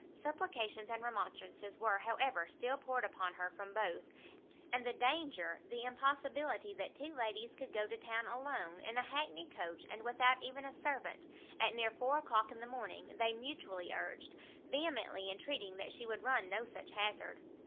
Supplications and remonstrances were, however, still poured upon her from both, and the danger, the impossibility that two ladies could go to town alone, in a hackney coach, and without even a servant, at near four o'clock in the morning, they mutually urged, vehemently entreating that she would run no such hazard.